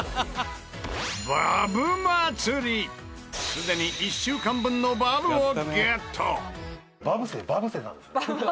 すでに１週間分のバブをゲット！